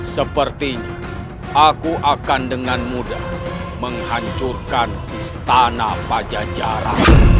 sepertinya aku akan dengan mudah menghancurkan istana pajajaran